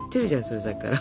それさっきから。